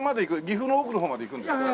岐阜の奥の方まで行くんですか？